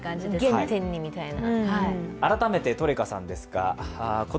原点にみたいな。